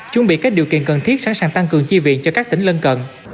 chuẩn bị các điều kiện cần thiết sẵn sàng tăng cường chi viện cho các tỉnh lân cận